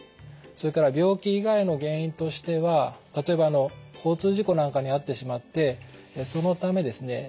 それから病気以外の原因としては例えばあの交通事故なんかに遭ってしまってそのためですね